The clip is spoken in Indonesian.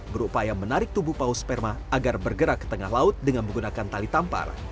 berupaya menarik tubuh paus sperma agar bergerak ke tengah laut dengan menggunakan tali tampar